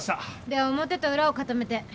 では表と裏を固めて。